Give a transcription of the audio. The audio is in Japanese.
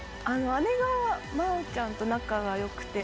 姉が真央ちゃんと仲が良くて。